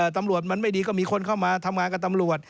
ตำรวจมันไม่ดีก็มีคนเข้ามาทำงานกับตำรวจ